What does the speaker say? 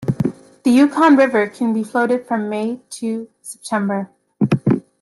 The Yukon River can be floated from May to September.